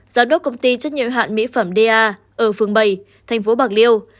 giám đốc công ty chất nhiễu hạn mỹ phẩm da ở phường bảy thành phố bạc liêu